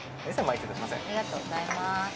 ありがとうございます。